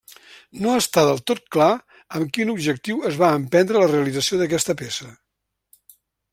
No està del tot clar amb quin objectiu es va emprendre la realització d'aquesta peça.